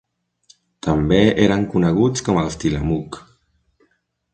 També eren coneguts com els Tillamook.